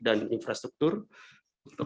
dan infrastruktur untuk